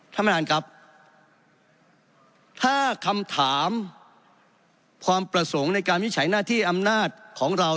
ถ้าคำถามความประสงค์ในการวิชัยหน้าที่อำนาจของเรา